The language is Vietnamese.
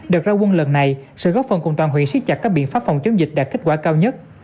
đợt ra quân lần này sẽ góp phần cùng toàn huyện siết chặt các biện pháp phòng chống dịch đạt kết quả cao nhất